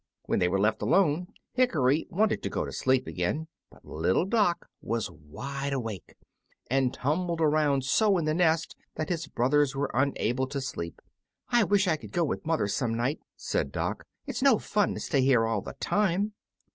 When they were left alone Hickory wanted to go to sleep again, but little Dock was wide awake, and tumbled around so in the nest that his brothers were unable to sleep. "I wish I could go with mother some night," said Dock, "it's no fun to stay here all the time."